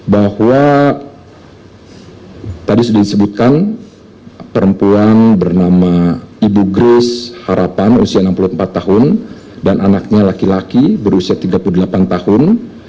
bahwa tadi sudah disebutkan perempuan bernama ibu grace harapan usia enam puluh empat tahun dan anaknya laki laki berusia tiga puluh delapan tahun